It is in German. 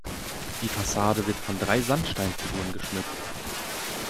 Die Fassade wird von drei Sandsteinfiguren geschmückt.